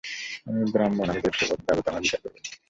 আমি ব্রাহ্মণ, আমি দেবসেবক, দেবতা আমার বিচার করিবেন।